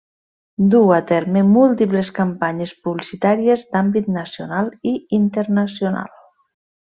Duu a terme múltiples campanyes publicitàries d’àmbit nacional i internacional.